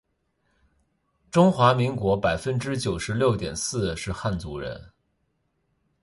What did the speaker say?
中华民国百分之九十六点四是汉族人